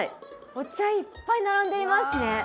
お茶いっぱい並んでいますね